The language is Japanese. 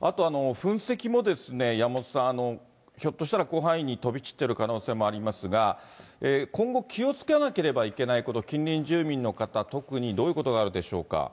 あと噴石もですね、山元さん、ひょっとしたら広範囲に飛び散っている可能性もありますが、今後気をつけなければいけないこと、近隣住民の方、特にどういうことがあるでしょうか。